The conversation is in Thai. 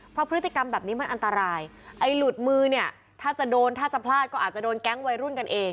เพราะพฤติกรรมแบบนี้มันอันตรายไอ้หลุดมือเนี่ยถ้าจะโดนถ้าจะพลาดก็อาจจะโดนแก๊งวัยรุ่นกันเอง